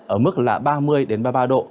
ở mức là ba mươi ba mươi ba độ